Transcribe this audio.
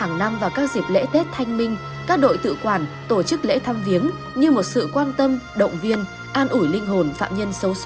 hàng năm vào các dịp lễ tết thanh minh các đội tự quản tổ chức lễ thăm viếng như một sự quan tâm động viên an ủi linh hồn phạm nhân xấu xố